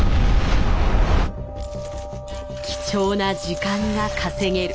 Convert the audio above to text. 貴重な時間が稼げる。